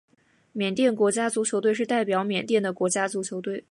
缅甸国家足球队是代表缅甸的国家足球队。